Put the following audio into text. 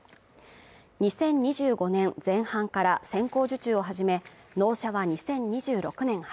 ２０２５年前半から先行受注を始め納車は２０２６年春